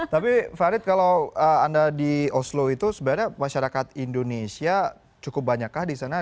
tapi farid kalau anda di oslo itu sebenarnya masyarakat indonesia cukup banyakkah di sana